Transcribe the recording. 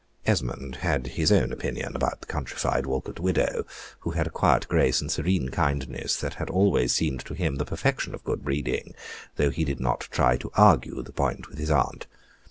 Esmond had his own opinion about the countrified Walcote widow, who had a quiet grace and serene kindness, that had always seemed to him the perfection of good breeding, though he did not try to argue this point with his aunt.